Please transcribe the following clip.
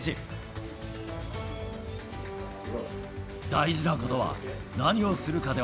大事なことは、何をするかで